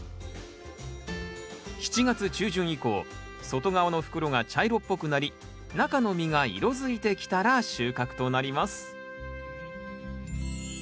７月中旬以降外側の袋が茶色っぽくなり中の実が色づいてきたら収穫となります